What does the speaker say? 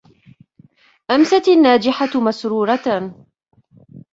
أَمْسَتْ النَّاجِحَةُ مَسْرُورَةً.